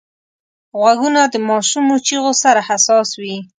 غوږونه د ماشومو چیغو سره حساس وي